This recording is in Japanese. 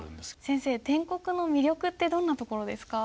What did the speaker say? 先生篆刻の魅力ってどんなところですか？